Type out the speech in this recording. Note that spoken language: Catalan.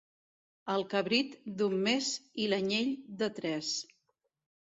El cabrit, d'un mes, i l'anyell, de tres.